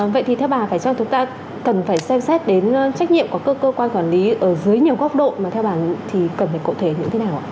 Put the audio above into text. vậy thì theo bà phải cho chúng ta cần phải xem xét đến trách nhiệm của cơ quan quản lý ở dưới nhiều góc độ mà theo bà thì cần phải cụ thể như thế nào ạ